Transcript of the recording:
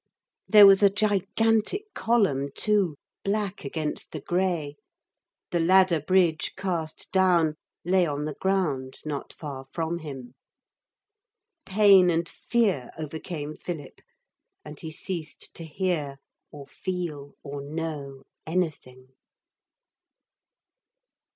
There was a gigantic column too, black against the grey. The ladder bridge, cast down, lay on the ground not far from him. Pain and fear overcame Philip, and he ceased to hear or feel or know anything.